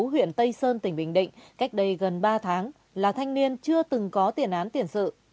huyện tây sơn tỉnh bình định cách đây gần ba tháng là thanh niên chưa từng có tiền án tiền sự